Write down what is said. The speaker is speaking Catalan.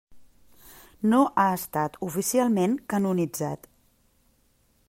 No ha estat oficialment canonitzat.